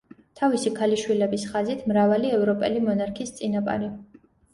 თავისი ქალიშვილების ხაზით, მრავალი ევროპელი მონარქის წინაპარი.